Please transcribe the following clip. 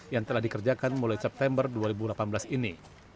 yang telah dikerjakan mulai september dua ribu delapan belas ini